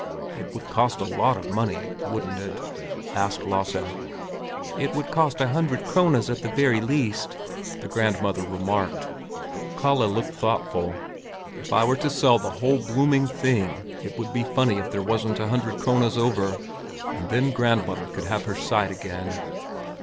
"It would cost a lot of money, wouldn't it?" asked Lasse. "It would cost a hundred krones at the very least," the grandmother remarked. Kalle looked thoughtful. "If we were to sell the whole blooming thing, it would be funny if there wasn't a hundred krones over. And then grandmother could have her sight again."